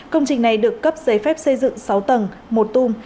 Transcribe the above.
công trình này được cấp giấy phép xây dựng sáu tầng một tung